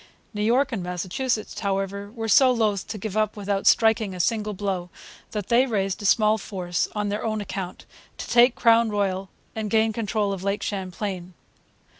New York and Massachusetts, however, were so loth to give up without striking a single blow that they raised a small force, on their own account, to take Crown Point and gain control of Lake Champlain.